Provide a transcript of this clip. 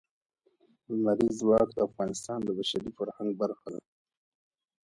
لمریز ځواک د افغانستان د بشري فرهنګ برخه ده.